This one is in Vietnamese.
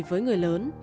với người lớn